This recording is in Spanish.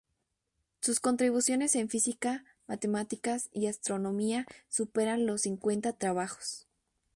Sus contribuciones en física, matemáticas y astronomía superan los cincuenta trabajos.